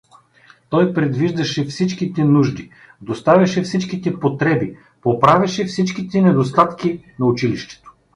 Той предвиждаше всичките нужди, доставяше всичките потреби, поправяше всичките недостатки на училището.